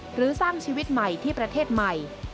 หรือสร้างชีวิตใหม่ที่ประเทศใหม่